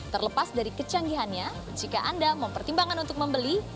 terlepas dari kecanggihannya jika anda mempertimbangkan untuk membeli